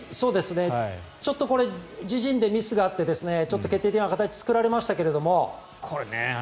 ちょっとこれ自陣でミスがあってちょっと決定的なチャンスを作られましたけど。